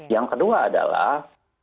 yang kedua adalah